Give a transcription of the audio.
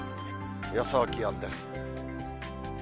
予想気温です。